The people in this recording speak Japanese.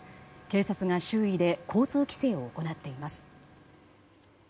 警察が周囲で交通規制を行っています。